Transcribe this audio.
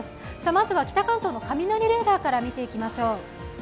まずは北関東の雷レーダーから見ていきましょう。